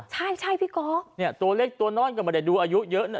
รู้สึกจัดปีกรตัวเล็กตัวน้อยกลับมาดูอายุเยอะละ